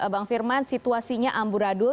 bang firman situasinya hamburadul